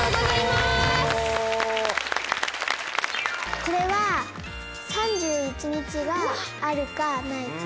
これは３１日があるかないか。